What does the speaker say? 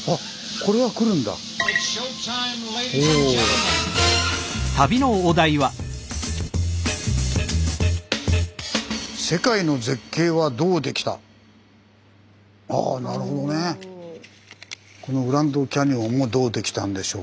このグランドキャニオンもどうできたんでしょうかということを。